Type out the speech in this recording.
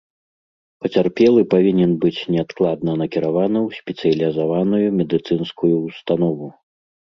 Пацярпелы павінен быць неадкладна накіраваны ў спецыялізаваную медыцынскую ўстанову.